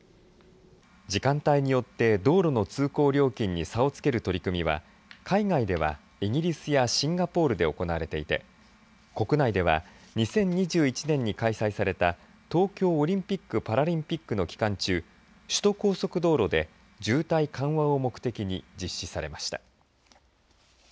時間帯によって道路の通行料金に差をつける取り組みは海外では、イギリスやシンガポールで行われていて国内では２０２１年に開催された東京オリンピック・パラリンピックの期間中首都高速道路で渋滞緩和を目的に実施されました。